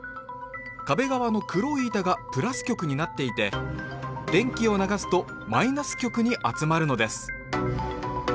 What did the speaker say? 壁側の黒い板がプラス極になっていて電気を流すとマイナス極に集まるのです